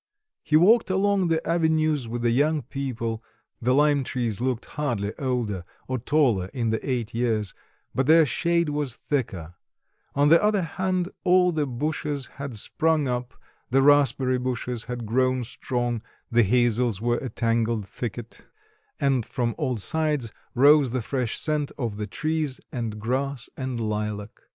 He walked along the avenues with the young people; the lime trees looked hardly older or taller in the eight years, but their shade was thicker; on the other hand, all the bushes had sprung up, the raspberry bushes had grown strong, the hazels were tangled thicket, and from all sides rose the fresh scent of the trees and grass and lilac.